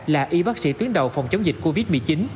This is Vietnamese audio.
là y bác sĩ tuyến đầu phòng chống dịch covid một mươi chín